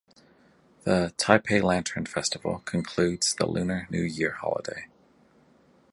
The Taipei Lantern Festival concludes the Lunar New Year holiday.